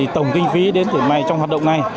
tổng kinh phí đến từ mai trong hoạt động này